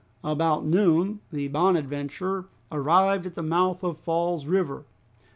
About noon the "Bonadventure" arrived at the mouth of Falls River.